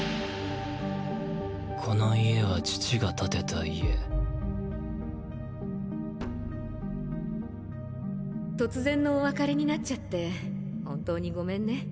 この家は父が建てた家「突然のお別れになっちゃって本当にごめんね。